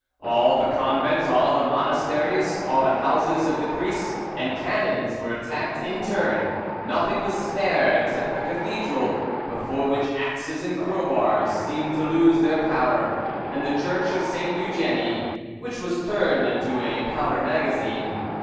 All the convents, all the monasteries, all the houses of the priests and canons were attacked in turn; nothing was spared except the cathedral, before which axes and crowbars seemed to lose their power, and the church of Ste. Eugenie, which was turned into a powder magazine.